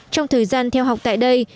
trong thời gian theo học tại đây